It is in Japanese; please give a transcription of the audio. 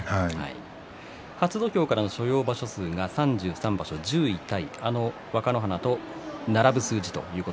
初土俵からの所要場所数が３３で１１回あの若ノ花と並ぶ数字です。